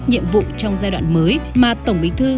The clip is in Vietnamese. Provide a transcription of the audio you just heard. nhiệm vụ trong giai đoạn mới mà tổng bí thư